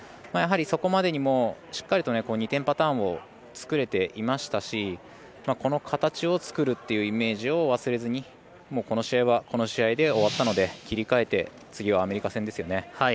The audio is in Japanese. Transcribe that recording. やはりそこまでにもしっかりと２点パターンを作れていましたしこの形を作るっていうイメージを忘れずにこの試合はこの試合で終わったので、切り替えて次はアメリカ戦ですよね。